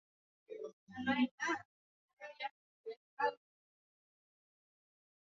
La religión original de los tervingios se desconoce.